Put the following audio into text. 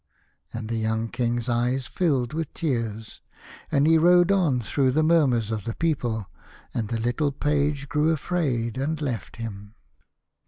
And the young King's eyes filled with tears, and he rode on through the murmurs of the people, and the little page grew afraid and left him.